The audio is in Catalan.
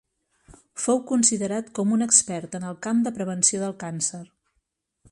Fou considerat com un expert en el camp de prevenció del càncer.